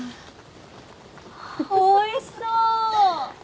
おいしそう！